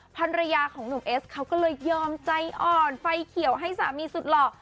ภรรยาของหนุ่มเอสเขาก็เลยยอมใจอ่อนไฟเขียวให้สามีสุดหล่อ